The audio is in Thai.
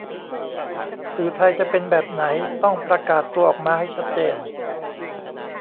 สื่อไทยจะเป็นแบบไหนต้องประกาศตัวออกมาให้ชัดเจน